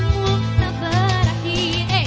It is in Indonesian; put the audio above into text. agar semua tak berakhir